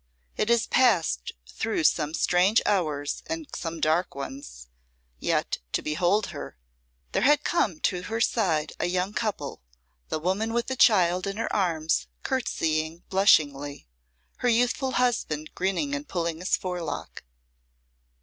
It has passed through some strange hours and some dark ones. Yet to behold her " There had come to her side a young couple, the woman with a child in her arms courtesying blushingly, her youthful husband grinning and pulling his forelock.